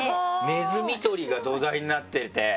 ネズミ捕りが土台になってて。